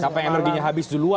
capek energinya habis duluan